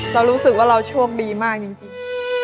เรารู้สึกว่าเราโชคดีมากจริง